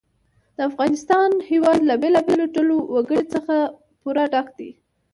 د افغانستان هېواد له بېلابېلو ډولو وګړي څخه پوره ډک دی.